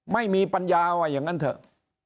ไม่มีปัญญาว่าอย่างนั้นเถอะ